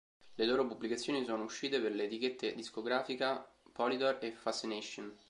Le loro pubblicazioni sono uscite per le etichette discografica Polydor e Fascination.